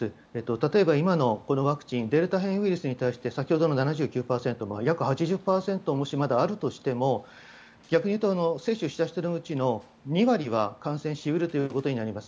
例えば、今のこのワクチンデルタ変異ウイルスに対して先ほどの７９％約８０％、もしまだあるとしても逆に言うと接種した人のうちの２割は感染し得るということになります。